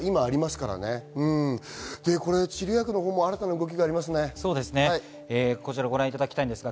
渋谷区に新たな動きがあります。